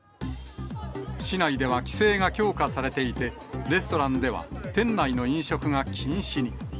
市内では規制が強化されていて、レストランでは店内の飲食が禁止に。